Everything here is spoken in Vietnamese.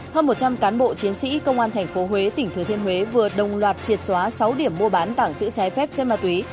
hơn một trăm linh cán bộ chiến sĩ công an thành phố huế tỉnh thứ thiên huế vừa đồng loạt triệt xóa sáu điểm mua bán tàng chữ trái phép trên ma túy